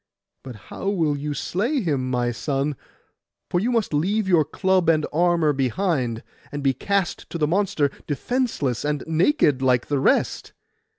'But how will you slay him, my son? For you must leave your club and your armour behind, and be cast to the monster, defenceless and naked like the rest.